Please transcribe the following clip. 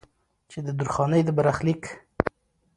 چې د درخانۍ د برخليک